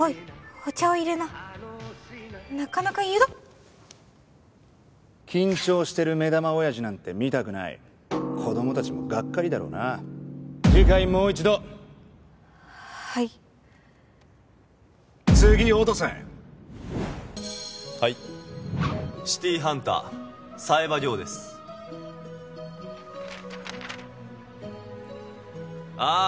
お茶を入れななかなか緊張してる目玉おやじなんて見たくない子供達もがっかりだろうな次回もう一度はい次音瀬はい「シティーハンター」冴羽ですああ